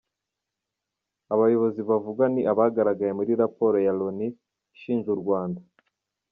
Abayobozi bavugwa ni abagaragaye muri raporo ya Loni ishinja u Rwanda.